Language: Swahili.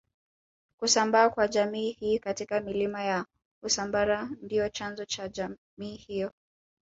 kusambaa kwa jamii hii katika milima ya usambara ndio chanzo cha jamii hiyo